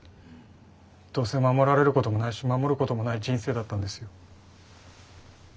どうせ守られることもないし守ることもない人生だったんですよ。